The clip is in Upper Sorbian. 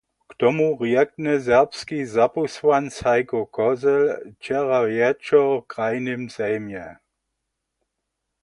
K tomu rjekny serbski zapósłanc Hajko Kozel wčera wječor w krajnym sejmje.